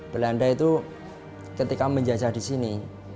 belanda itu ketika menjajah di sini